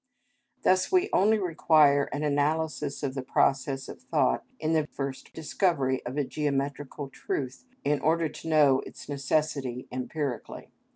Thus we only require an analysis of the process of thought in the first discovery of a geometrical truth in order to know its necessity empirically.